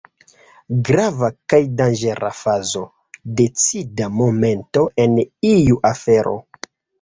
Grava kaj danĝera fazo, decida momento en iu afero.